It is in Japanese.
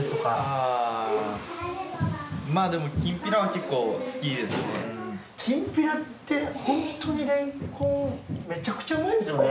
あぁまぁでもきんぴらってホントにレンコンめちゃくちゃうまいですよね。